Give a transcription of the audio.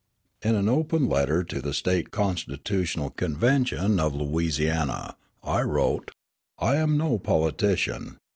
In an open letter to the State Constitutional Convention of Louisiana, I wrote: "I am no politician.